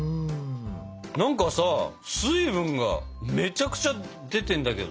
何かさ水分がめちゃくちゃ出てんだけど。